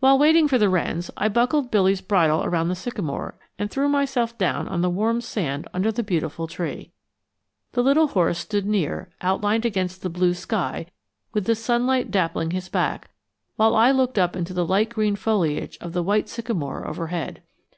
While waiting for the wrens, I buckled Billy's bridle around the sycamore and threw myself down on the warm sand under the beautiful tree. The little horse stood near, outlined against the blue sky, with the sunlight dappling his back, while I looked up into the light green foliage of the white sycamore overhead.